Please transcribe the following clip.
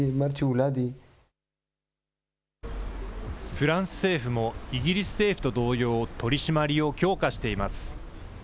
フランス政府も、イギリス政府と同様、取締りを強化しています。